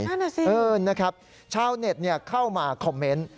นั่นอ่ะสินะครับชาวเน็ตเข้ามาคอมเมนต์